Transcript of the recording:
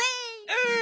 うん！